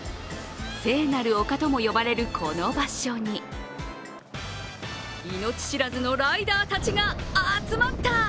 聖なる丘とも呼ばれる、この場所に命知らずのライダーたちが集まった！